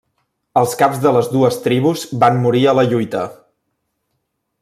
Els caps de les dues tribus van morir a la lluita.